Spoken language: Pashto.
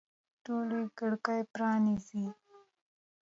ټولي کړکۍ پرانیزئ